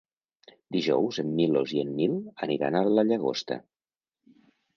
Dijous en Milos i en Nil aniran a la Llagosta.